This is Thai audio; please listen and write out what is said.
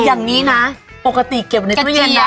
อย่างนี้นะปกติเก็บในตู้เย็นนะ